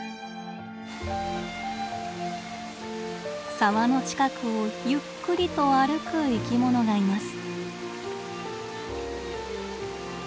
沢の近くをゆっくりと歩く生き物がいます。